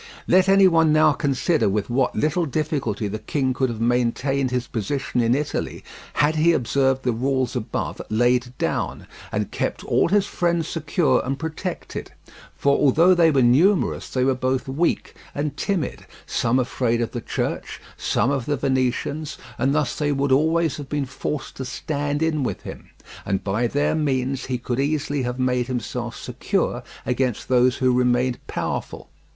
Let any one now consider with what little difficulty the king could have maintained his position in Italy had he observed the rules above laid down, and kept all his friends secure and protected; for although they were numerous they were both weak and timid, some afraid of the Church, some of the Venetians, and thus they would always have been forced to stand in with him, and by their means he could easily have made himself secure against those who remained powerful.